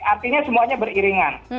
artinya semuanya beriringan